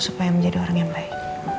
supaya menjadi orang yang baik